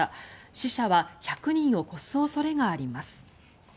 死者は１００人を超す恐れがあります。